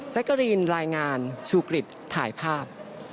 กะรีนรายงานชูกริจถ่ายภาพ